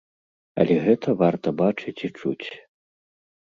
Але гэта варта бачыць і чуць.